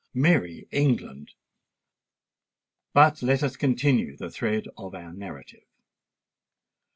Merry England!!! But let us continue the thread of our narrative.